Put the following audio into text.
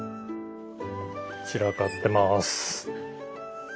散らかってます。